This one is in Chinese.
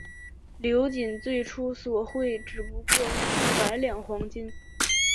刘瑾最初索贿只不过数百两黄金。